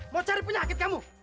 mau cari penyakit kamu